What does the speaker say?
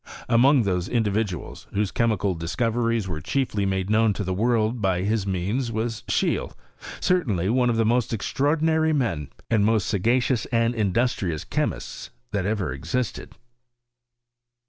Among those individuals, whose chemical* discoveries were chiefly made known to the world by his means, was Scheele, certainly one of the most es traordinary men, and mast sagacious and industrious chemists that ever existed.